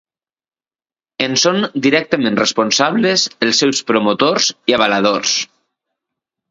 En són directament responsables els seus promotors i avaladors.